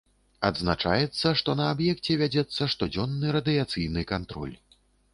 Адзначаецца, што на аб'екце вядзецца штодзённы радыяцыйны кантроль.